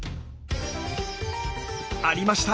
ありました。